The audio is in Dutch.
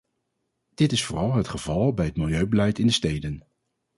Dit is vooral het geval bij het milieubeleid in de steden.